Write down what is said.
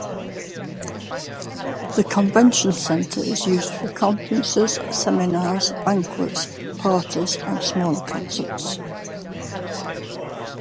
The convention center is used for conferences, seminars, banquets, parties, and smaller concerts.